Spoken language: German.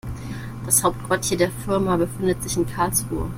Das Hauptquartier der Firma befindet sich in Karlsruhe